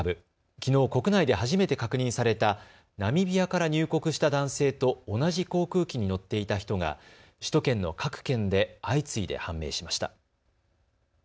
きのう国内で初めて確認されたナミビアから入国した男性と同じ航空機に乗っていた人が首都圏の各県で相次いで判明しました。